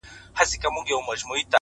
دا بېچاره به ښايي مړ وي.!